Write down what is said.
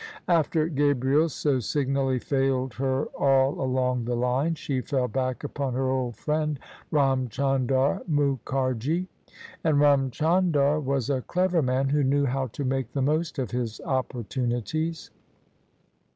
After Gabriel so signally failed her all along the line, she fell back upon her old friend, Ram Chandar Mukharji. And Ram Chan [ 228 ] OF ISABEL CARNABY dar was a clever man, who knew how to make the most of his opportunities.